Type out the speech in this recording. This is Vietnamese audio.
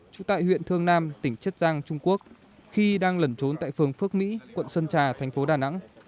trú tại huyện thương nam tỉnh chiết giang trung quốc khi đang lẩn trốn tại phường phước mỹ quận sơn trà thành phố đà nẵng